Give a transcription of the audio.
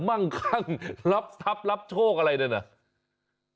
มั่งขั่งลับจับรับโชคอะไรแน่นี่